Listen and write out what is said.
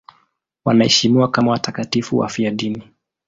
Wanaheshimiwa kama watakatifu wafiadini.